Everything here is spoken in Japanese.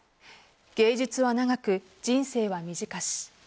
芸術は長く、人生は短し。